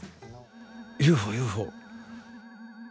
ＵＦＯＵＦＯ。